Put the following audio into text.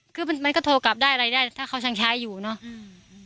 คือมันมันก็โทรกลับได้อะไรได้ถ้าเขายังใช้อยู่เนอะอืม